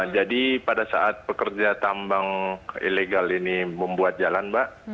jadi pada saat pekerja tambang ilegal ini membuat jalan